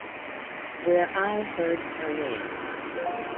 Where I heard her name.